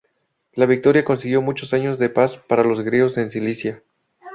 La victoria consiguió muchos años de paz para los griegos en Sicilia.